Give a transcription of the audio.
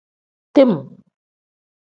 Tim.